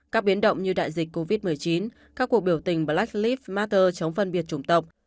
các biến động như đại dịch covid một mươi chín các cuộc biểu tình black lives matter chống phân biệt chủng tộc